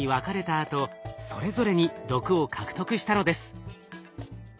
あとそれぞれに毒を獲得したのです。